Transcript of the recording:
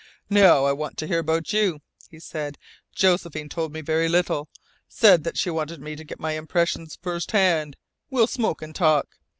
"Now I want to hear about you," he said. "Josephine told me very little said that she wanted me to get my impressions first hand. We'll smoke and talk.